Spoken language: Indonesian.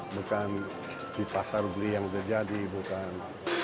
bukan di pasar beli yang terjadi bukan